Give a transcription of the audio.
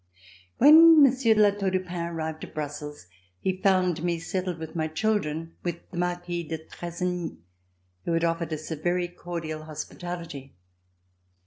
When Monsieur de La Tour du Pin arrived at Brussels, he found me settled with my children with the Marquis de Trazegnies, who had offered us a very cordial hospitality.